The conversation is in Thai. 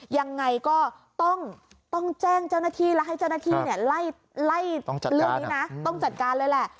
ยังไงก็ต้องแจ้งเจ้าหน้าที่และให้เจ้าหน้าที่ไล่เรื่องนี้นะต้องจัดการเลยแหละ